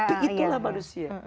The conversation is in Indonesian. tapi itulah manusia